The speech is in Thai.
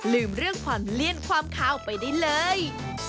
ลืมเรื่องความเลี่ยนความคาวไปได้เลย